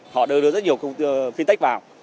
họ đưa rất nhiều công ty fintech vào